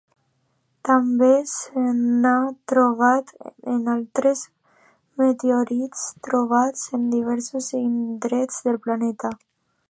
També s n'ha trobat en altres meteorits trobats en diversos indrets del planeta.